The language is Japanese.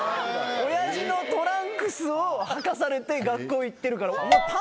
おやじのトランクスをはかされて学校行ってるから。